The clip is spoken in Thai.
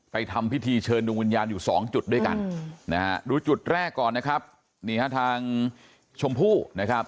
ทำพิธีเชิญดวงวิญญาณอยู่สองจุดด้วยกันนะฮะดูจุดแรกก่อนนะครับนี่ฮะทางชมพู่นะครับ